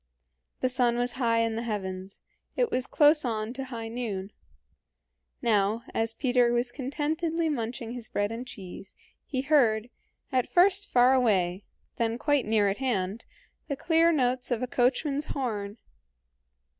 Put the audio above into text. The sun was high in the heavens; it was close on to high noon. Now, as Peter was contentedly munching his bread and cheese, he heard, at first far away, then quite near at hand, the clear notes of a coachman's horn.